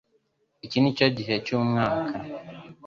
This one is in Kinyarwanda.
Iki nicyo gihe cyumwaka